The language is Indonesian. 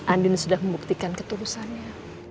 andin sudah membuktikan ketulusannya